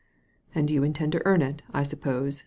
"And you intend to earn it, I suppose?"